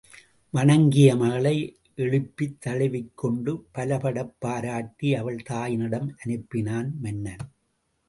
வணங்கிய மகளை எழுப்பித் தழுவிக் கொண்டு பலபடப் பாராட்டி அவள் தாயினிடம் அனுப்பினான் மன்னன்.